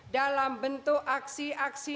dalam bentuk aksi aksi